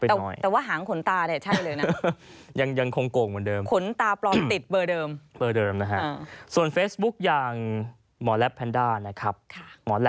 แต่ว่าหังขนตราถ้าที่จริงเนี่ยยังคงโกงเหมือนเดิมขนตาปรองติดเบอร์เดิมเบอร์เดิมนะฮะ